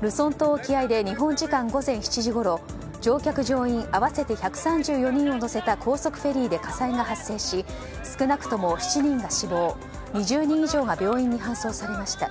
ルソン島沖合で日本時間午前７時ごろ乗客・乗員、合わせて１３４人を乗せた高速フェリーで火災が発生し少なくとも７人が死亡２０人以上が病院に搬送されました。